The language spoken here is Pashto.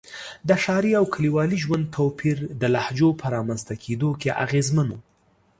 د ښاري او کلیوالي ژوند توپیر د لهجو په رامنځته کېدو کې اغېزمن و.